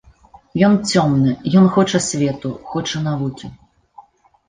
Ён цёмны, ён хоча свету, хоча навукі.